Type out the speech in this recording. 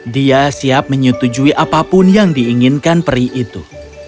dia siap menyetujui apapun yang diinginkan peri itu